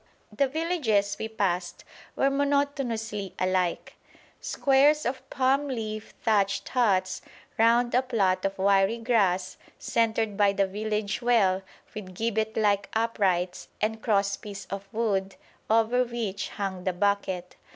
The villages we passed were monotonously alike: squares of palm leaf thatched huts round a plot of wiry grass centred by the village well with gibbet like uprights and cross piece of wood over which hung the bucket.